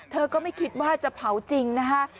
ก็ไม่คิดว่าจะเผาจริงนะคะ